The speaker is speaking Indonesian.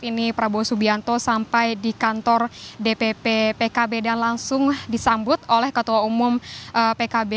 ini prabowo subianto sampai di kantor dpp pkb dan langsung disambut oleh ketua umum pkb